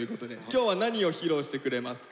今日は何を披露してくれますか？